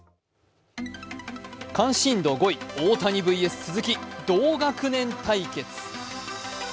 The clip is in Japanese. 関心度５位、大谷ＶＳ鈴木、同学年対決。